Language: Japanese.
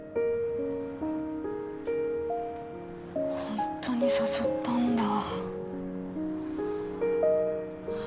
本当に誘ったんだ。